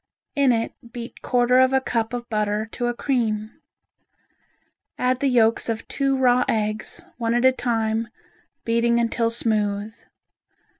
In it beat quarter of a cup of butter to a cream. Add the yolks of two raw eggs, one at a time, beating until smooth.